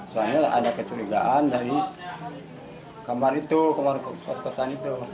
soalnya ada kecurigaan dari kamar itu kamar kos kosan itu